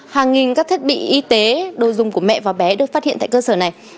hàng nghìn các thiết bị y tế đồ dùng của mẹ và bé được phát hiện tại cơ sở này